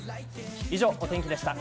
以上お天気でした。